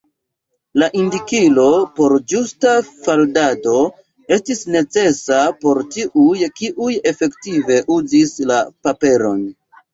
La indikilo por ĝusta faldado estis necesa por tiuj, kiuj efektive uzis la paperon.